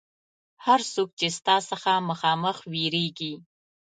هر څوک چې ستا څخه مخامخ وېرېږي.